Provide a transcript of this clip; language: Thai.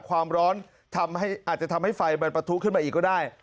อาจจะทำให้ไฟประทุขึ้นมาอีกก็ได้